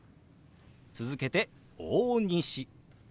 続けて「大西」。